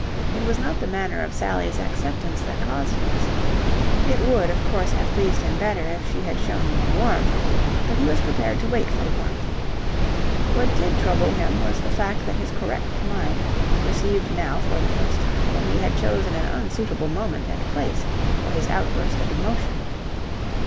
It was not the manner of Sally's acceptance that caused this. It would, of course, have pleased him better if she had shown more warmth, but he was prepared to wait for warmth. What did trouble him was the fact that his correct mind perceived now for the first time that he had chosen an unsuitable moment and place for his outburst of emotion.